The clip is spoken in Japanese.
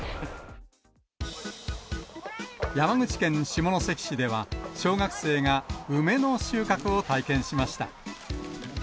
山口県下関市では、小学生が梅の収穫を体験しました。